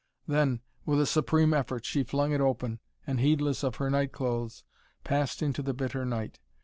Then with a supreme effort she flung it open, and heedless of her night clothes passed into the bitter night.